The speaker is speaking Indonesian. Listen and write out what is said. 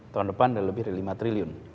tahun depan ada lebih dari lima triliun